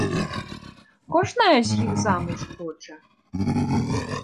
Кожная з іх замуж хоча.